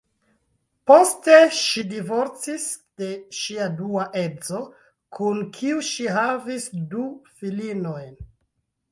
Poste ŝi divorcis de ŝia dua edzo, kun kiu ŝi havis du filinojn.